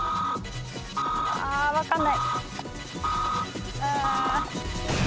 あ分かんない。